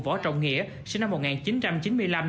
võ trọng nghĩa sinh năm một nghìn chín trăm chín mươi năm